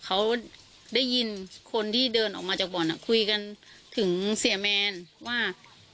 เขาได้ยินคนที่เดินออกมาจากบ่อนคุยกันถึงเสียแมนว่า